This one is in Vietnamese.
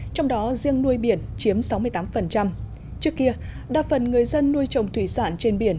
trong đó riêng nuôi biển chiếm sáu mươi tám trước kia đa phần người dân nuôi trồng thủy sản trên biển